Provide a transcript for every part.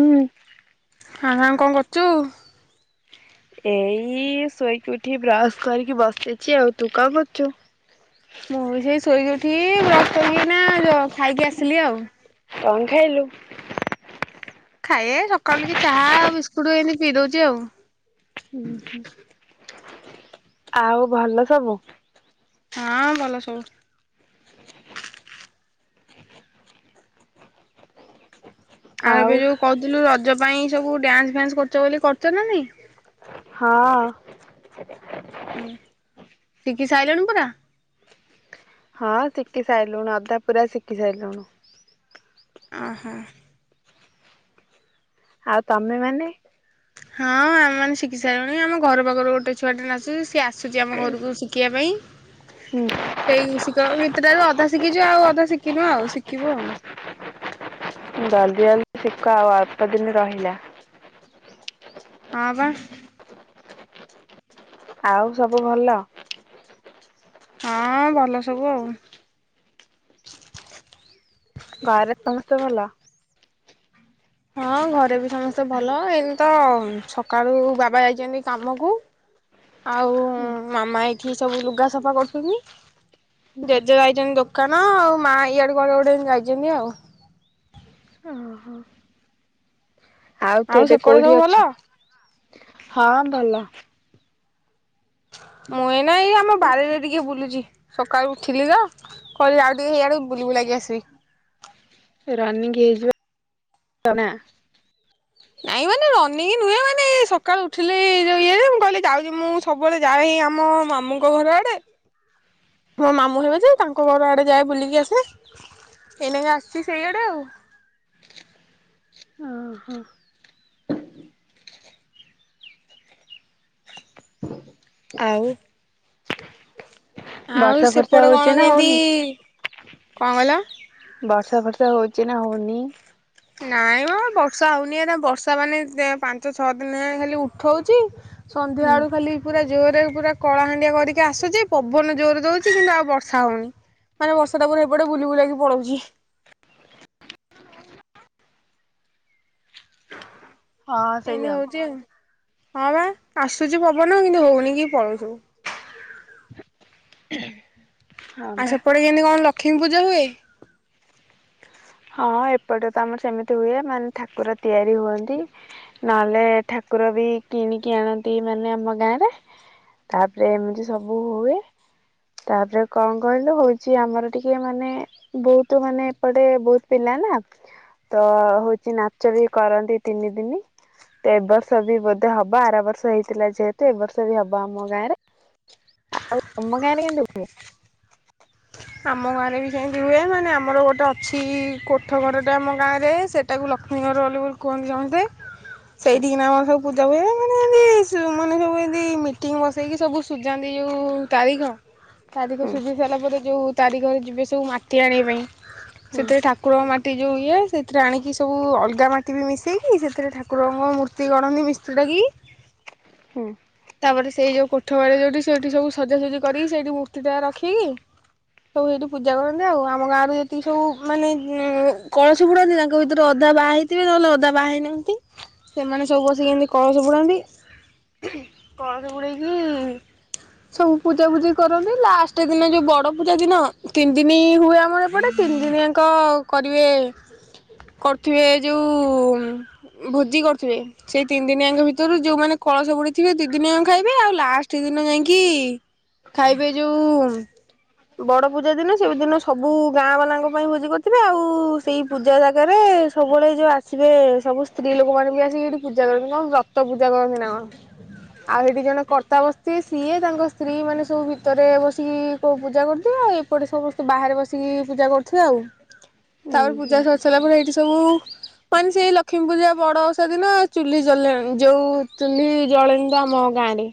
ହୁଁ [inaudible] ହଁ ଆଉ କଣ କରୁ ଚୁ ଏଇ ଶୋଇକି ଉଠି ବ୍ରଶ କରିକି ବସିଛି ଆଉ ତୁ କଣ କରୁଛୁ। [inaudible] ମୁଁ ବି ସେଇ ଶୋଇକି ଉଠି ବ୍ରସ କରିକି ନା ଖାଇକି ଆସିଲି ଆଉ। କଣ ଖାଇଲୁ। [inaudible] ଖାଇଆ ସକାଳୁ ଏଇ ଚାହା ବିସ୍କୁଟ ଏମିତି ପିଇ ଦଉଛି ଆଉ। ହୁଁ ହୁଁ। [inaudible] ଆଉ ଭଲ ସବୁ। ହଁ ଭଲ ସବୁ। [inaudible] ଆଉ ଏବେ ଯୋଉ କହୁଥିଲୁ ର ନିଜ ପାଇଁ ସବୁ ଡ୍ୟାନ୍ସ ଫାନ୍ସ କରଚୁ ବୋଲି କରୁଚ ନା ନାଇଁ। ହଁ। ଉଁ ଉଁ। ଶିକି ସାଇଲୁଣି ପୁରା। ହଁ ଶିଖି ସାଇଲୁଣ ଅଧା ପୁରା ଶିଖି ସାଇଲୁଣୁ। [inaudible] ଓହୋ। ଆଉ ତମେ ମାନେ। ହଁ ଆମୋନେ ଶିଖି ସାରିଲୁଣି। ଆମ ଘର ପାଖରୁ ଗୋଟେ ଛୁଆଟେ ନାଚୁଚି। ସିଏ ଆସୁଚି ଆମ ଘରକୁ ଶିଖିବା ପାଇଁ। ହୁଁ। ସେଇ ଶିଖ ଗିତଟାରୁ ଅଧା ଶିଖିଚୁ ଆଉ ଅଧା ଶିଖିନୁ ଆଉ ଶିଖିବୁ ଆଉ। [inaudible] ଜଲଦି ଜଲଦି ଶଖ ଆଉ ଅଳ୍ପ ଦିନ ରହିଲା। [inaudible] ହଁ ବା। ଆଉ ସବୁ ଭଲ। [inaudible] ହଁ ଭଲ ସବୁ ଆଉ। [inaudible] ଘରେ ସମସ୍ତେ ଭଲ? ହଁ ଘରେ ବି ସମସ୍ତେ ଭଲ। ଏମିତି ତ ସକାଳୁ ବାବା ଯାଇଚନ୍ତି କାମକୁ। ଆଉ ମାମା ଏ ଏଠି ସବୁ ଲୁଗା ସଫା କରୁଥୁନି। ଜେଜେ ଯାଇଚନ୍ତି ଦୋକାନ ଆଉ। ମା ଇଆଡେ କୁଆଡେ ଗୋଟେ ଯାଇଛନ୍ତି ଆଉ। [inaudible] ଓ ହୋ। [inaudible] ଆଉ ସେପଟେ ସବୁ ଭଲ ହଁ ଭଲ ମୁଁ ଏଇନା ଏଇ ଏ ଆମ ବାରିରେ ଟିକେ ବୁଲୁଚି ସକାଳୁ ଉଠଲି ତ କହିଲି ଆଉ ଟିକେ ହେଇଆଡେ ଟିକେ ବୁଲି ବୁଲାକା ଆସେ। ରନିଂଙ୍ଗ ହେଇଚି ବା [unintelligible] ନାଇଁ ମାନେ ରନିଙ୍ଗ ନୁହେଁ ମାନେ ଇଏ ସକାଳୁ ଉଠିଲେ ଯୋଉ ଇଏ ମୁଁ କହିଲି ଯାଉଛି ମୁଁ ସବୁବେଳେ ଯାଏ ଏଇ ଆମ ମାମୁଁଙ୍କ ଘର ଆଡେ ମୋ ମାମୁଁ ହେବେ ଯେ ତାଙ୍କ ଘର ଆଡେ ଯାଏ ବୁଲିକି ଆସେ ଏଇନାକେ ଆସିଛି ସେଇଆଡେ ଆଉ ଅ ହଁ ଆଉ ଆଉ ବର୍ଷା ଫର୍ଷା ସେପଟେ କଣ ହଉଚି ନା କେମିତି ହଉନି, କଣ କହିଲ? ବର୍ଷା ଫର୍ଷା ହଉ ଏଇନା ହଉନି ନାଇଁ ମ ବସ୍ ବର୍ଷା ହଉନି ଏଇନେ ବର୍ଷା ମାନେ ପାଞ୍ଚ ଛଅ ଦିନ ହେଲାଣି ଖାଲି ଉଠଉଚି ସନ୍ଧ୍ୟା ହୁଁ ବଳୁ ଖାଲି ପୁରା ଜୋରରେ ପୁରା କଳାହାଣ୍ଡିଆ କରିକି ଆସୁଛି ପବନ ଜୋରରେ ଦଉଛି କିନ୍ତୁ ଆଉ ବର୍ଷା ହଉନି ମାନେ ବର୍ଷା ଟା ପୁରା ଏପଟେ ବୁଲି ବୁଲାକି ପଳଉଛି ହଁ [inaudible] ସେଇଆ ଏନ୍ତି ହଉଛି ଆଉ ହଁ ବା ଆସୁଛି ପବନ କିନ୍ତୁ ହଉନି କି ପଳଉଛି ସବୁ [inaudible] ଆଉ ବା ସେପଟେ କେମିତି କଣ ଲ ଲକ୍ଷ୍ମୀ ପୂଜା ହୁଏ ହଁ ଏପଟେ ତ ଆମର ସେମିତି ହୁଏ ମାନେ ଠାକୁର ତିଆରି ହୁଅନ୍ତି ନହେଲେ ଠାକୁର ବି କିଣିକି ଆଣନ୍ତି ମାନେ ଆମ ଗାଁ ରେ ତାପରେ ଏମିତି ସବୁ ହୁଏ ତାପରେ କଣ କହିଲୁ ହଉଛି ଆମର ଟିକେ ମାନେ ବହୁତୁ ମାନେ ଏପଟେ ବହୁତ ପିଲା ନା ତ ହଉଛି ନାଚ ବି କରନ୍ତି ତିନି ଦିନି ତ ଏ ବର୍ଷ ବି ବୋଧେ ହବ ଆର ବର୍ଷ ହେଇଥିଲା ଯେହେତୁ ଏବ ବର୍ଷ ବି ହବ ଆମ ଗାଁରେ ଆଉ ତମ ଗାଁରେ କେନ୍ତି ହୁଏ? ଆମ ଗାଁରେ ବି ସେମିତି ହୁଏ ମାନେ ଆମର ଗୋଟେ ଅଛି କୋଠ ଘରଟା ଆମ ଗାଁରେ ସେଇଟାକୁ ଲକ୍ଷ୍ମୀ ଘର ବୋଲି ବୋଲି କୁହନ୍ତି ସମସ୍ତେ ସେଇିଠି କିନା ଆମ ସବୁ ପୂ ଜମିଦାର ମାନେ ଏମତି ସ ମାନେ ସବୁ ଏମତି ମିଟିଙ୍ଗ ବସେଇକି ସବୁ ସୁଝାନ୍ତି ଯୋଉ ତାରିଖ ତାରିଖ ହୁଁ ସୁଝେଇ ସାରିଲା ପରେ ଯୋଉ ତାରିଖରେ ଯିବେ ସବୁ ମାଟି ଆଣିବା ପାଇଁ ହୁଁ ସେଥିରେ ଠାକୁରଙ୍କ ମା ଏ ଯୋଉ ଇଏ ସେଥିରେ ଆଣିକି ସବୁ ଅଲଗା ମାଟି ବି ମିଶେଇକି ସେଥିରେ ଠାକୁରଙ୍କ ମୂର୍ତ୍ତି ଗଢ଼ନ୍ତି ମିସ୍ତ୍ରୀ ଡାକିକି ହୁଁ ତାପରେ ସେଇ ଯୋଉ କୋଠ ବାରେ ଯୋଉଠି ସେଇଠି ସବୁ ସଜାସଜି କରିକି ସେଇଠି ମୂର୍ତ୍ତି ଟା ରଖିକି ସବୁ ଏଇଠି ପୂଜା କରନ୍ତି ଆଉ ଆମ ଗାଁ ରୁ ଯେତିକି ସବୁ ମାନେ କଳସ ବୁଡ଼ାନ୍ତି ତାଙ୍କ ଭିତରୁ ଅଧା ବାହା ହେଇଥିବେ ନହେଲେ ଅଧା ବାହା ହେଇନାହାନ୍ତି ସେମାନେ ସବୁ ବସିକି ଏମତି କଳସ ବୁଡ଼ାନ୍ତି କଳସ ବୁଡେଇକି ସବୁ ପୂଜା ପୂଜି କରନ୍ତି ଲାଷ୍ଟ ଦିନ ଯୋଉ ବଡ ପୂ [unintelligible] ଦିନ ତିନି ଦିନି ହୁଏ ଆମର ଏପଟେ ତିନି ଦିନିଆଙ୍କ କରିବେ କରୁଥିବେ ଯେଉ ଭୋଜି କରୁଥିବେ ସେଇ ତିନି ଦିନିଆଙ୍କ ଭିତରୁ ଯୋଉ ମାନେ କଳସ ବୁଡ଼େଇ ଥିବେ ଦି ଦିନିଆଙ୍କ ଖାଇବେ ଆଉ ଲାଷ୍ଟ ଦିନ ଯାଇଁକି ଖାଇବେ ଯୋଉ ବଡ ପୂଜା ଦିନେ ସେଇ ଦିନ ସବୁ ଗାଁ ବାଲାଙ୍କ ପାଇଁ ଭୋଜି କରିଥିବେ ଆଉ ସେଇ ପୂଜା ଜାଗାରେ ସବୁବେଳେ ଏ ଯୋଉ ଆସିବେ ସବୁ ସ୍ତ୍ରୀ ଲୋକମାନେ ବି ଆସିକି ଏଇଠି ପୂଜା କରିବେ କଣ ସତ ପୂଜା କରନ୍ତି ନା କଣ ଆଉ ସେଠି ଜଣେ କର୍ତ୍ତା ବସିଚି ସିଏ ତାଙ୍କ ସ୍ତ୍ରୀ ମାନେ ସବୁ ଭିତରେ ବସିକି କୋଉ ପୂଜା କରୁ ଆଉ ଏପଟେ ସମସ୍ତେ ବାହାରେ ବସିକି ପୂଜା କରୁଥିବେ ଆଉ ହୁଁ ତାପରେ ହୁଁ ପୂଜା ସରି ସାରିଲା ପରେ ଏଇଠି ସବୁ ମାନେ ସେଇ ଲକ୍ଷ୍ମୀ ପୂଜା ବଡଓଷା ଦିନ ଚୁଲି ଜଲେନି ଯୋଉ ଚୁଲି ଜଳେନି ତ ଆମ ଗାଁ ରେ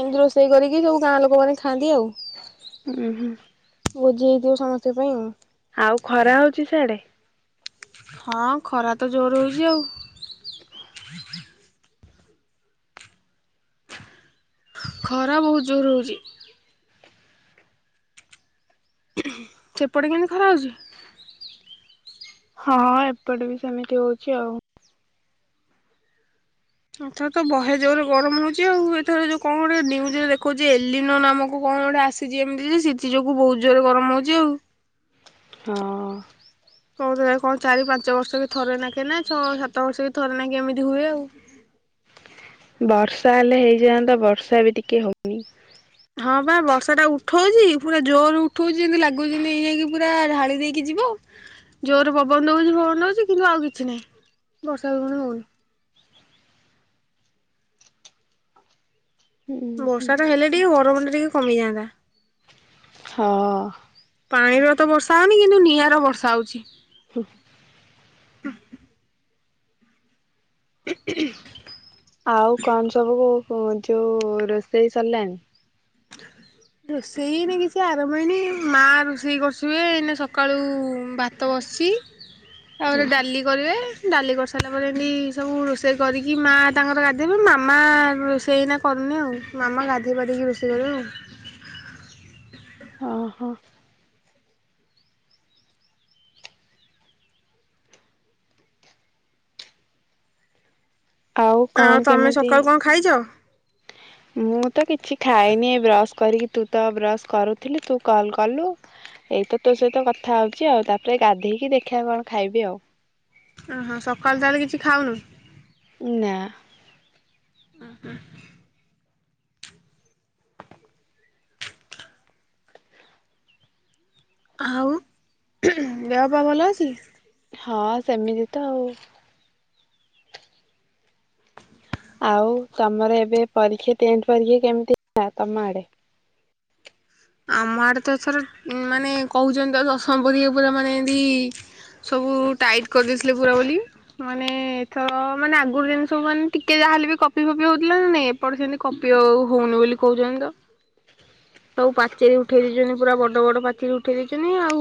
ଏମିତି ରୋଷେଇ କରିକି ସବୁ ଗାଁ ଲୋକ ମାନେ ଖାଆନ୍ତି ଆଉ ଉଁ ହୁଁ। ଓ ଯେ ଯୋ ସମସ୍ତଙ୍କ ପାଇଁ ଆଉ ଆଉ ଖରା ହଉଛି ସେଆଡେ? ହଁ ଖରା ତ ଜୋର ହଉଛି ଆଉ। ଖରା ବହୁତ ଜୋର ହୋଉଛି। ସେପଟେ କେମିତି ଖରା ହଉଛି? ହଁ ଏପଟେ ବି ସେମିତି ହଉଛି ଆଉ। ଏଥର ତ ବହେ ଜୋରେ ଗରମ ହଉଛି ଆଉ ଏଥର ଯୋଉ କଣ ଗୋଟେ ନ୍ୟୁଜରେ ଦେଖୋଉଛି ଏଲିନୋ ନାମକ କଣ ଗୋଟେ ଆସିଛି ଏମିତି ଯେ ସେଥି ଯୋଗୁ ବହୁତ ଜୋରରେ ଗରମ ହଉଛି ଆଉ। ହଁ କ କଣ ଚାରି ପାଞ୍ଚ ବର୍ଷକେ ଥରେ ନାଖେ ନା ଛଅ ସାତ ବର୍ଷକେ ଥରେ ନାକେ ଏମିତି ହୁଏ ଆଉ। ବର୍ଷା ହେଲେ ହେଇଯାଆନ୍ତା ବର୍ଷା ବି ଟିକେ ହଉନି। ହଁ ପା ବର୍ଷା ଟା ଉଠଉଛି ପୁରା ଜୋର ଉଠଉଛି ଯେମିତି ଲାଗୁଛି ଏଇ ଯାଇକି ପୁରା ଢାଳି ଦେଇକି ଯିବ ଜୋର ପବନ ହଉଛି ପବନ ହଉଛି କିନ୍ତୁ ଆଉ କିଛି ନାହିଁ ବର୍ଷା ପବନ ହଉନି। ବର୍ଷା ର ହେଲେ ଟିକେ ଗରମ ଟିକେ କମି ଯାଆନ୍ତା। ହଁ ପାଣିର ତ ବର୍ଷା ହଉନି କିନ୍ତୁ ନିଆଁର ବର୍ଷା ହଉଛି। [inaudible] ଆଉ କଣ ସବୁ କୋହୁ ହଁ ଯୋଉ ରୋଷେଇ ସରିଲାଣି? ରୋଷେଇ ଇନା କିଛି ଆରମ୍ଭ ହେଇନି ମା ରୋଷେଇ କରୁଥିବେ ଏଇନା ସକାଳୁ ଭାତ ବସିଛି। ତାପରେ ଡାଲି କରିବେ। ଡାଲି କରିସାରିଲା ପରେ ଏମତି ସବୁ ରୋଷେଇ କରିକି ମାଆ ତାଙ୍କର ଗାଧେଇବା ପରେ ମାମା ରୋଷେଇନା କରୁନି ଆଉ ମାମା ଗାଧୋଇ ପାରିକି ରୋଷେଇ ତୋର ହଁ ହଁ ଆଉ କଣ ତମେ କେମିତି ସକାଳୁ କଣ ଖାଇଛ? ମୁଁ ତ କିଛି ଖାଇନି ଏ ବ୍ରସ କରିକି ତୁ ତ ବ୍ରସ କରୁଥିଲୁ ତୁଲ କଲୁ ଏଇତ ତୋ ସହିତ କଥା ହଉଛି ଆଉ ତାପରେ ଗାଧେଇକି ଦେଖିବା କଣ ଖାଇବି ଆଉ। ଓହୋ ସକାଳୁ ତାହେଲେ କିଛି ଖାଉନୁ। ନା। ଉଁ ହୁଁ। ଆଉ ଦେହପା ଭଲ ଅଛି? ହଁ ସେମିତି ତ ଆଉ। ଆଉ ତମର ଏବେ ପରୀକ୍ଷା ଟେନଥ ପରୀକ୍ଷା କେମିତି ହେଲା ତମ ଆଡେ? ଆମ ଆଡେ ତ ଏଥର ମାନେ କହୁଛନ୍ତି ତ ଦଶମ ପରୀକ୍ଷା ପୁରା ମାନେ ଏନ୍ତି ସବୁ ଟାଇଟ କରିଦେଇଥିଲେ ପୁରା ବୋଲି ମାନେ ଏଥର ମାନେ ଆଗରୁ ଯେମତି ସବୁ ମାନେ ଟିକେ ଯାହାହେଲେ ବି କପି ଫପି ହଉଥିଲା ନାଇଁ ଏପଟ ସେମିତି କପି ଆ ହଉନି ବୋଲି କହୁଛନ୍ତି ତ। ସବୁ ପାଚେରୀ ଉଠେଇ ଦେଇଛନ୍ତି ପୁରା ବଡ ବଡ ପାଚେରୀ ଉଠେଇ ଦେଇଛନ୍ତି ଆଉ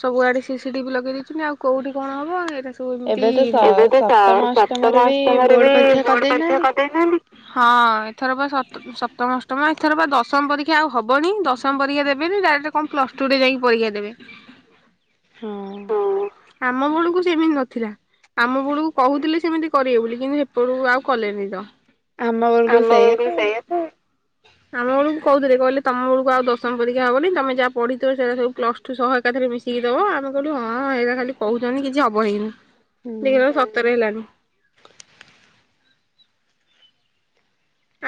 ସବୁଆଡେ ସି-ସିି ଟି-ଭି ଲଗେଇ ଦେଇଛନ୍ତି ଆଉ କୋଉଠି କଣ ହବ ଏଇଟା ସବୁ ଏମିତି ଏବେ ତ ସ ଏବେ ତ ସପ୍ତମ ସ ଅଷ୍ଟମରେ ସପ୍ତମ ବି ଅଷ୍ଟମରେ ବୋର୍ଡ ବି ପରୀକ୍ଷା ବୋର୍ଡ ପରୀକ୍ଷା କରିଦେଇନାହାନ୍ତି। କରିଦେଇଛନ୍ତି ହଁ ଏଥର ପା ସ ସପ୍ତମ ଅଷ୍ଟମ ଏଥର ବା ଦଶମ ପରୀ କ୍ଷା ଆଉ ହବନି ଦଶମ ପରୀକ୍ଷା ଦେବେନି ଡାଇରେକ୍ଟ କଣ ପ୍ଲସ ଟୁ ରେ ଯାଇକି ପରୀକ୍ଷା ଦେବେ। ହଁ। ଯେ ଏମିତି ନଥିଲା ଆମ ବେଳକୁ କହୁଥିଲେ ସେମିତି କରିବେ ବୋଲି କିନ୍ତୁ ହେପଟକୁ ଆଉ କଲେନି ତ। ଆମ ବେଳକୁ ସେଇଆ ଥେ ଆମ ବେଳୁକୁ କୋଉଥିଲେ କହିଲେ ତମ ବେଳକୁ ଆଉ ଦଶମ ପରୀକ୍ଷା ହବନି ତମେ ଯାହା ପଢିଥିବ ସେଇରା ସବୁ ପ୍ଲସ ଟୁ ସହ ଏକାଥାରେ ମିଶିକି ଦବ ଆମେ କଇଲୁ ହଁ ଏରା ଖାଲି କହୁଚନ୍ତି କିଛି ହବ ହେଇନି। ହୁଁ ଦେଖିଲା ବେଳୁ କୁ ସତରେ ହେଲାଣି।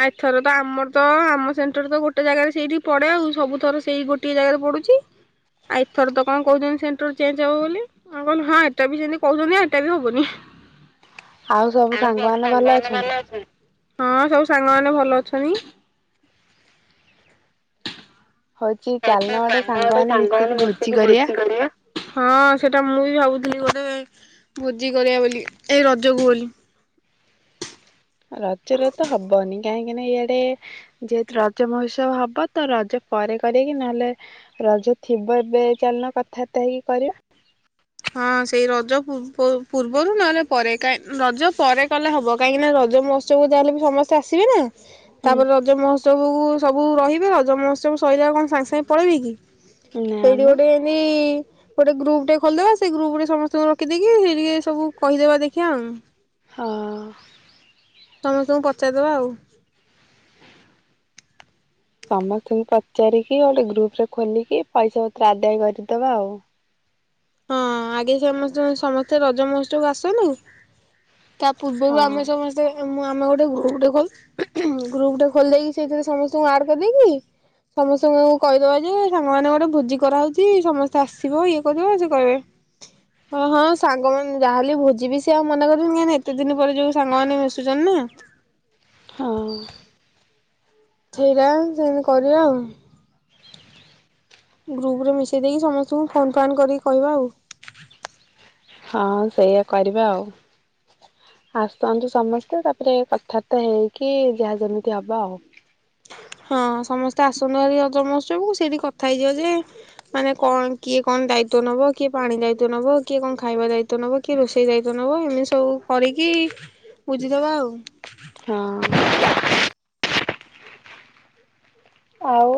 ଆଉ ଏଥର ତ ଆମର ତ ଆମ ସେଣ୍ଟର ତ ଗୋଟେ ଜାଗାରେ ସେଇଠି ପଡେ ଆଉ ସବୁ ଥର ସେଇ ଗୋଟଏ ଜାଗାରେ ପଡୁଚି ଏଥର ତ କଣ କଉଚନ୍ତି ସେଣ୍ଟର ଚେଞ୍ଚ ହବ ବୋଲି ଆମେ କଇଲୁ ହଁ ଏଇଟା ବି ସେମିତି କଉଛନ୍ତି ଏଇଟା ବି ହବନି। ଆଉ ସବୁ ସାଙ୍ଗ ମାନେ ଭଲ ଅଛନ୍ତି। ହଁ ସବୁ ସାଙ୍ଗ ମାନେ ଭଲ ଅଛନ୍ତି। ହଉଚି ଚାଲୁନ ଗୋଟେ ସାଙ୍ଗ ମାନେ ମିଶିକି ଭୋଜି କରିବା, ହଁ ସେଟା ମୁଁ ବି ଭାବୁଥିଲି ଗୋ ଏ ଭୋଜି କରିବା ବୋଲି ଏଇ ରଜକୁ ବୋଲି। ରାତିରେ ତ ହବନି। କାହିଁକି ନା ଇଆଡେ ଯେହେତୁ ରଜ ମହୋତ୍ସବ ହବ ତ ରଜ ପରେ କରିକି ନହେଲେ ରଜ ଥିବ ଏବେ ଚାଲୁନ କଥାବାର୍ତ୍ତା ହେଇକି କରିବା। ହଁ ସେଇ ରଜ ପୂର୍ବରୁ ପୂର୍ବରୁ ନହେଲେ ପରେ କାହିଁ ରଜ ପରେ କଲେ ହବ କାହିଁକି ନା ରଜ ମହୋତ୍ସବକୁ ଯାହେଲେ ବି ସମସ୍ତେ ଆସିବେ ନା। ହୁଁ ତାପରେ ରଜ ମହୋତ୍ସବ କୁ ସବୁ ରହିବେ ରଜ ମହୋତ୍ସବ ସଇଲେ ଆଉ କଣ ସାଙ୍ଗେ ସାଙ୍ଗେ ପଳେଇି କି। ନା ସେଇଠି ମ। ଗୋଟେ [unintelligible] ଗୋଟେ ଗ୍ରୁପଟେ ଖୋଲଦବା। ସେ ଗ୍ରୁପ ରେ ସମସ୍ତଙ୍କୁ ରଖିଦେଇକି ସେଇଟି ସବୁ କହିଦେବା ଦେଖିବା ଉଁ। ହଁ। ସମସ୍ତଙ୍କୁ ପଚାରିଦବା ଆଉ। ସମସ୍ତଙ୍କୁ ପଚାରିକି ଗୋଟେ ଗ୍ରୁପରେ ଖୋଲିକି ପଇସା ପତ୍ର ଆଦାୟ କରିଦବା ଆଉ। ହଁ ଆଗେ ସେମସ୍ତେ ସମସ୍ତେ ରଜ ମହୋତ୍ସବ କୁ ଆସନ୍ତୁ। ତା ପୂର୍ବରୁ ହଁ ଆମେ ସମସ୍ତେ। ମୁଁ ଆମେ ଗୋଟେ ଗ୍ରୁପ ଟେ ଖୋ ଗ୍ରୁପ ଟେ ଖୋଲିଦେଇକି ସେଇଥିରେ ସମସ୍ତଙ୍କୁ ଆଡ କରିଦେଇକି ସମସ୍ତଙ୍କୁ କଇଦବା ଯେ ସାଙ୍ଗ ମାନେ ଗୋଟେ ଭୋଜି କରାହେଉଚି ସମସ୍ତେ ଆସିବ ଇଏ କରିବ ଇଏ କରିବ [unintelligible] ହଁ ସାଙ୍ଗମାନେ ଯାହାହେଲେ ଭୋଜିିବି ସେ ଆଉ ମନା କରିବେ ନା କାହିଁକି ନା ଏତେ ଦିନି ପରେ ଯୋଉ ସାଙ୍ଗମାନେ ମିଶୁଚନ୍ତି ନା। ହଁ। ସେଇଟା ସେମିତି କରିବା ଆଉ। ଗ୍ରୁପ ରେ ମିଶେଇ ଦେଇକି ସମସ୍ତଙ୍କୁ ଫୋନ ଫାନ୍ କରିକି କହିବା ଆଉ। ହଁ ସେଇଆ କରିବା ଆଉ ଆସନ୍ତୁ ସମସ୍ତେ ତାପରେ କଥାବାର୍ତ୍ତା ହେଇକି ଯାହା ଯେମିତି ହବ ଆଉ। ହଁ ସମସ୍ତେ ଆସନ୍ତୁ ହାରି ରଜ ମହୋଉତ୍ସବକୁ ସେଇଠି କଥା ହେଇଯିବା ଯେ ମାନେ କଣ କିଏ କଣ ଦାୟିତ୍ଵ ନବ କିଏ ପାଣି ଦାୟିତ୍ଵ ନବ କିଏ କଣ ଖାଇବା ଦାୟିତ୍ଵ ନବ କିଏ ରୋଷେଇ ଦାୟିତ୍ଵ ନବ ଏମିତି ସବୁ କରିକି ବୁଝିଦବା ଆଉ। ହଁ। ଆଉ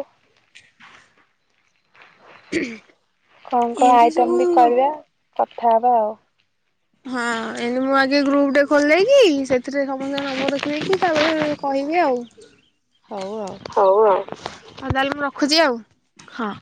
[unintelligible] କଣ କଣ ଏମିତି ଆଇଟମ୍ ସବୁ ବି କରିବା କଥାହେବା ଆଉ ହଁ ଏନ୍ତି ମୁଁ ଆଜି ଗ୍ରୁପ ଟେ ଖୋଲି ଦେଇକି ସେ ଥିରେ ସମସ୍ତଙ୍କ ନମ୍ବର ରଖିଦେଇକି ତାପରେ କହିବି ଆଉ। ହଉ ଆଉ। ହଁ ତାହଲେ ମୁଁ ରଖୁଚି ଆଉ। ହଁ।